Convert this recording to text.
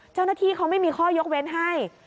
เจ้าหน้าที่เขาไม่มีข้อยกเว้นให้